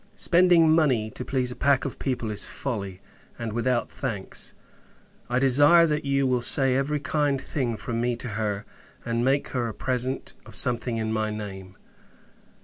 Spending money, to please a pack of people, is folly, and without thanks. I desire, that you will say every kind thing from me to her, and make her a present of something in my name.